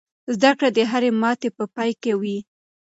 زده کړه د هرې ماتې په پای کې وي.